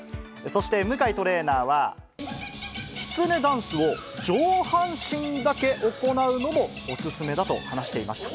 そして向井トレーナーは、きつねダンスを上半身だけ行うのもお勧めだと話していました。